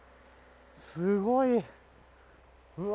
すごい。